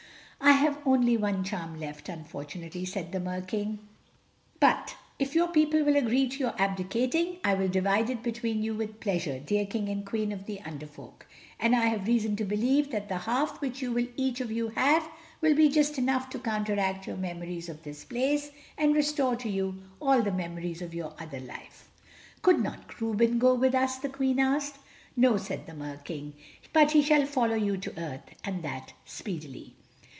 "I have only one charm left, unfortunately," said the Mer King, "but if your people will agree to your abdicating, I will divide it between you with pleasure, dear King and Queen of the Under Folk; and I have reason to believe that the half which you will each of you have, will be just enough to counteract your memories of this place, and restore to you all the memories of your other life." "Could not Reuben go with us?" the Queen asked. "No," said the Mer King, "but he shall follow you to earth, and that speedily."